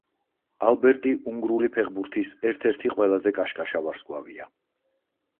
ალბერტი უნგრული ფეხბურთის ერთ-ერთი ყველაზე კაშკაშა ვარსკვლავია.